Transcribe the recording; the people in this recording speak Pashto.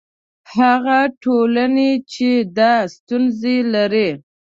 هغه ټولنې چې دا ستونزې لري.